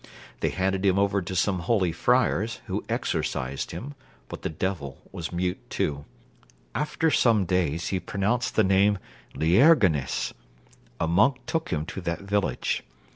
They handed him over to some holy friars, who exorcised him; but the devil was mute too. After some days he pronounced the name Lierganes. A monk took him to that village.